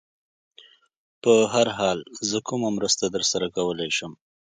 په هر حال، زه کومه مرسته در سره کولای شم؟